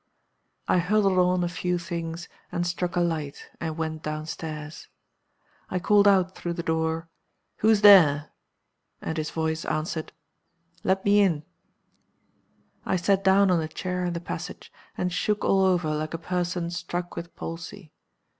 "I huddled on a few things, and struck a light, and went down stairs. I called out through the door, 'Who's there?' And his voice answered, 'Let me in.' "I sat down on a chair in the passage, and shook all over like a person struck with palsy.